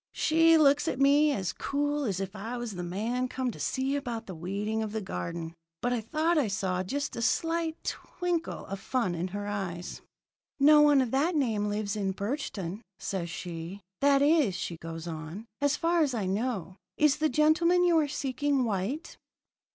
"She looks at me as cool as if I was the man come to see about the weeding of the garden, but I thought I saw just a slight twinkle of fun in her eyes. "'No one of that name lives in Birchton,' says she. 'That is,' she goes on, 'as far as I know. Is the gentleman you are seeking white?'